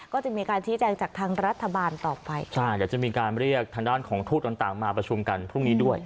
ก็จะมีการชี้แจงจากทางรัฐบาลต่อไปใช่เดี๋ยวจะมีการเรียกทางด้านของทูตต่างต่างมาประชุมกันพรุ่งนี้ด้วย